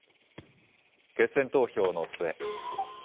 決選投票の末。